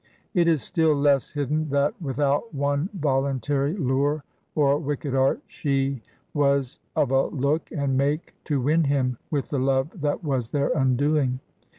It is still less hidden that, without one volimtary lure or wicked art, she was of a look and make to win him with the love that was their undoing.